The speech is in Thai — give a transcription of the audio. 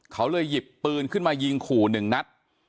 เขาเลยหยิบปืนขึ้นมายิงขู่หนึ่งนัด